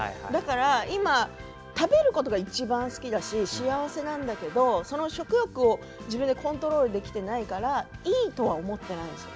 今、食べることがいちばん好きだし幸せなんだけれどもその食欲を自分でコントロールできていないから、いいとは思っていないですよね。